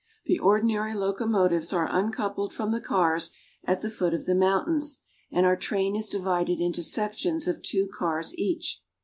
The ordinary locomo tives are uncoupled from the cars at the foot of the mountains, and our train is divided into sections of two cars each.